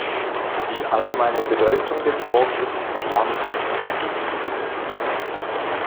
Die allgemeine Bedeutung des Wortes ist ‚Land‘ ‚Gebiet‘.